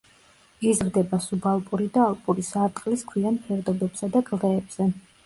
იზრდება სუბალპური და ალპური სარტყლის ქვიან ფერდობებსა და კლდეებზე.